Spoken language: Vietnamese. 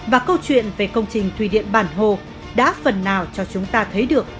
và câu chuyện về công trình thủy điện bản hồ đã phần nào cho chúng ta thấy được